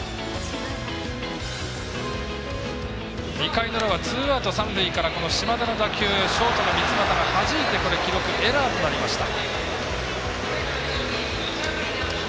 ２回の裏はツーアウト三塁から島田の打球ショートの三ツ俣がはじいて記録エラーとなりました。